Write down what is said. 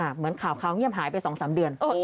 เหมือนข่าวเงียบหายไป๒๓เดือน